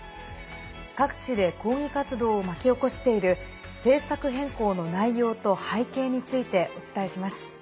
各地で抗議活動を巻き起こしている政策変更の内容と背景についてお伝えします。